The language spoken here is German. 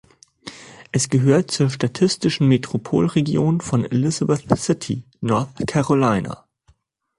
Es gehört zur statistischen Metropolregion von Elizabeth City (North Carolina).